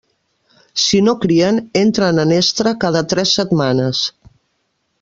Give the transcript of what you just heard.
Si no crien, entren en estre cada tres setmanes.